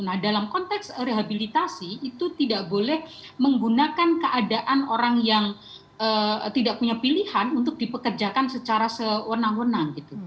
nah dalam konteks rehabilitasi itu tidak boleh menggunakan keadaan orang yang tidak punya pilihan untuk dipekerjakan secara sewenang wenang